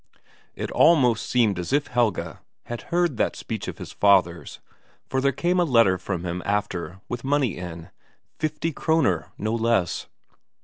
It almost seemed as if Helge had heard that speech of his father's, for there came a letter from him after with money in fifty Kroner, no less.